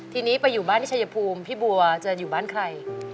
ทีนี้ไปอยู่บ้านที่ชายภูมิพี่บัวจะอยู่บ้านใคร